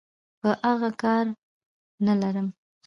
په اغه کار نلرم.